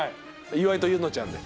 岩井と柚乃ちゃんで。